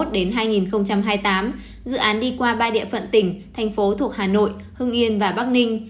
dự án đi qua ba địa phận tỉnh thành phố thuộc hà nội hưng yên và bắc ninh